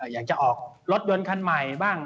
อยากจะออกรถยนต์คันใหม่บ้าง